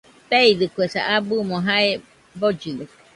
Teeidɨkuesa, abɨmo jae bollidɨkue